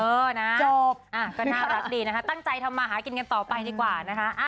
เออนะครับจบนะครับตั้งใจทำมาหากินกันต่อไปดีกว่านะครับอ่า